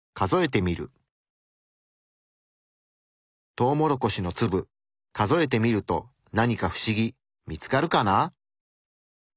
トウモロコシの粒数えてみると何かフシギ見つかるかな？